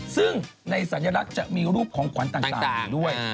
ซึ่งในสัญลักษณ์จะมีรูปของขวัญต่างอยู่ด้วย